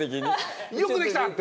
よくできたって？